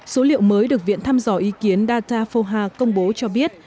số liệu mới được viện thăm dò ý kiến datafoha công bố cho biết